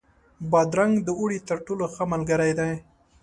بادرنګ د اوړي تر ټولو ښه ملګری دی.